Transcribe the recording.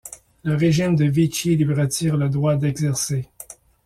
Le Régime de Vichy lui retire le droit d'exercer.